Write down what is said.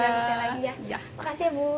makasih ya bu